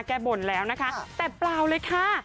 บ่นแล้วนะคะแต่เปล่าเลยค่ะ